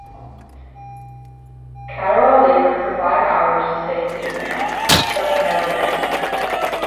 Catterall laboured for five hours to save Ismail, but to no avail.